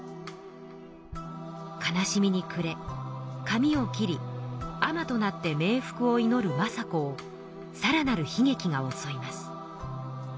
悲しみにくれ髪を切り尼となって冥福をいのる政子をさらなる悲劇がおそいます。